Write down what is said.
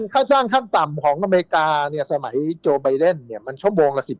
ค่าจ้างขั้นต่ำของอเมริกาเนี่ยสมัยโจไบเดนเนี่ยไม่จับมาเหรอครับ